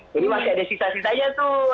jadi masih ada sisa sisanya tuh